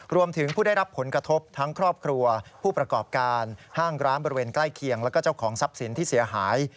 ผู้ได้รับผลกระทบทั้งครอบครัวผู้ประกอบการห้างร้านบริเวณใกล้เคียงแล้วก็เจ้าของทรัพย์สินที่เสียหาย